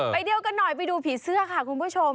เดียวกันหน่อยไปดูผีเสื้อค่ะคุณผู้ชม